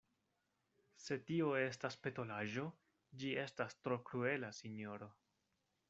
Se tio estas petolaĵo, ĝi estas tro kruela, sinjoro.